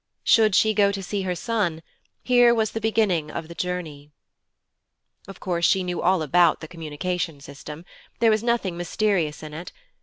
Should she go to see her son, here was the beginning of the journey. Of course she knew all about the communication system. There was nothing mysterious in it.